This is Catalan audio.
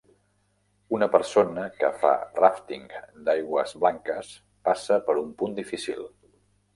Una persona que fa ràfting d'aigües blanques passa per un punt difícil.